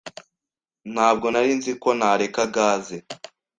Ntabwo narinzi ko nareka gaze.